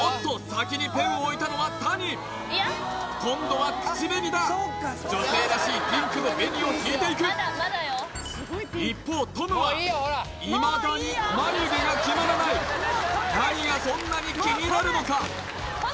先にペンを置いたのは谷今度は口紅だ女性らしいピンクの紅をひいていく一方トムはいまだに眉毛が決まらない何がそんなに気になるのか？